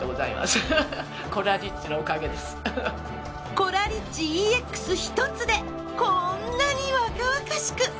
コラリッチＥＸ１つでこんなに若々しく。